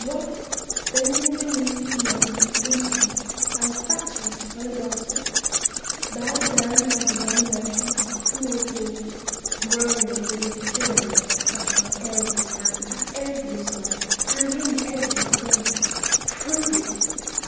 " What ! bending beneath the yoke of an insolent and factious oligarchy ; bowed down by the domination of cruel laws; groaning beneath tyranny and oppression on every hand, at every side, and in every corner. Prove it!